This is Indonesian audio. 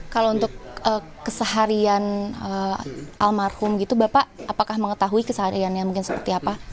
kalau untuk keseharian almarhum gitu bapak apakah mengetahui kesehariannya mungkin seperti apa